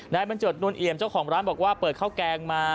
บันเจิดนวลเอี่ยมเจ้าของร้านบอกว่าเปิดข้าวแกงมา